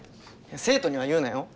生徒には言うなよ